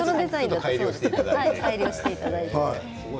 改良していただいて。